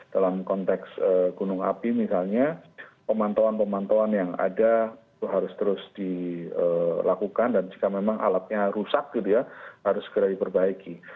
dalam konteks gunung api misalnya pemantauan pemantauan yang ada itu harus terus dilakukan dan jika memang alatnya rusak gitu ya harus segera diperbaiki